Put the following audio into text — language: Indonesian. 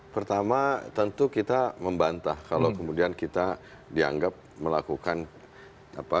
pertama tentu kita membantah kalau kemudian kita dianggap melakukan apa